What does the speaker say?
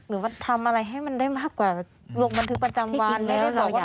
หรือว่าทำอะไรให้มันได้มากกว่าลงบันทึกประจำวันไม่ได้บอกว่า